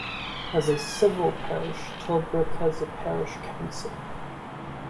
As a civil parish, Tilbrook has a parish council.